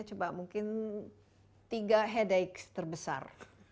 coba mungkin tiga headache terbesar